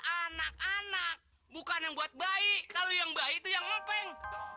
anak anak bukan yang buat baik kalau yang baik itu yang empeng